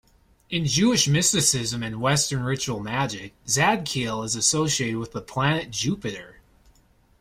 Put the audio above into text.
In Jewish mysticism and Western ritual magic, Zadkiel is associated with the planet Jupiter.